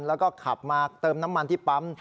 แล้วก็ขับมาเติมน้ำมันที่ปั๊ม